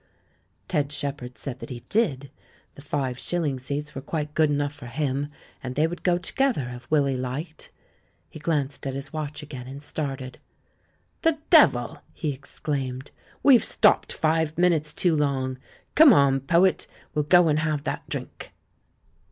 Ted Shepherd said that he did. The five shilHng seats were quite good enough for him, and they would go together if Willy liked. He glanced at his watch again, and started. "The devil!" he exclaimed, "we've stopped five minutes too long. Come on, poet, we'll go and have that drink."